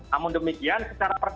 namun demikian secara perdata